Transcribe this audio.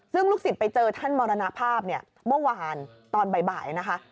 ซึ่งลูกศิษย์ไปเจอท่านมรณภาพเนี่ยเมื่อวานตอนบ่ายนะคะ